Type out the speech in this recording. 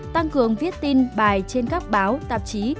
tăng cường viết tin bài trên các báo tạp chí